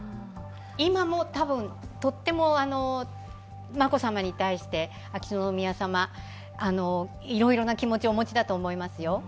今もたぶん、とっても眞子さまに対して秋篠宮さま、いろいろな気持ちをお持ちだと思いますよ。